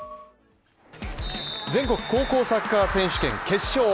全国高校サッカー選手権決勝